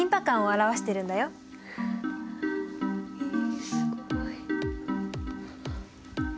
えすごい。